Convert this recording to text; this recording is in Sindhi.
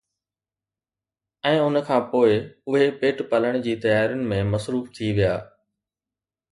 ۽ ان کان پوءِ اهي پيٽ پالڻ جي تيارين ۾ مصروف ٿي ويا.